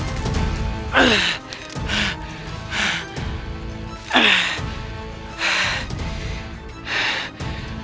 akan kau menang